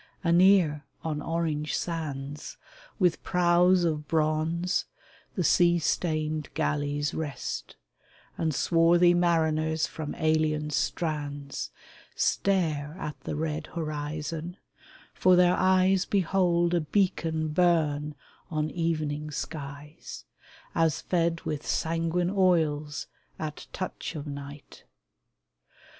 Anear on orange sands, With prows of bronze the sea stained galleys rest, And swarthy mariners from alien strands Stare at the red horizon, for their eyes Behold a beacon burn on evening skies, As fed with sanguine oils at touch of night.